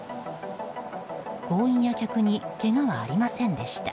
行員や客にけがはありませんでした。